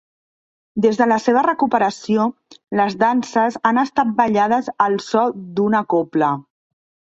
Des de la seva recuperació les danses han estat ballades al so d'una cobla.